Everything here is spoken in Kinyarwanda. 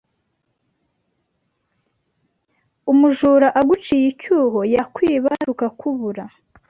Umujura aguciye icyuho yakwiba tukakubura